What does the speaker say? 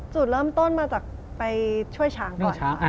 จุดเริ่มต้นมาจากไปช่วยช้างก่อน